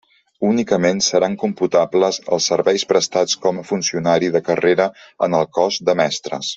Únicament seran computables els serveis prestats com a funcionari de carrera en el cos de mestres.